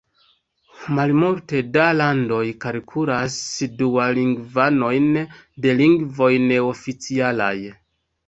Malmulte da landoj kalkulas dualingvanojn de lingvoj neoficialaj.